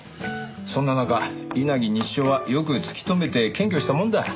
そんな中稲城西署はよく突き止めて検挙したもんだ。